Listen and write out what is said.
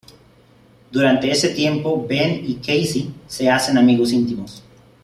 Durante ese tiempo Ben y Cassie se hacen amigos íntimos.